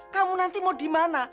kamu nanti mau di mana